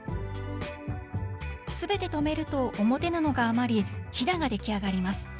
全て留めると表布が余りヒダができあがります